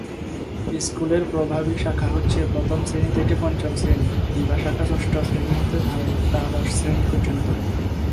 স্কুলের প্রভাতী শাখা হচ্ছে প্রথম শ্রেণী থেকে পঞ্চম শ্রেণী, দিবা শাখা ষষ্ঠ শ্রেনী হতে দ্বাদশ শ্রেণী পর্যন্ত।